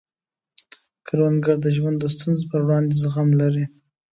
کروندګر د ژوند د ستونزو پر وړاندې زغم لري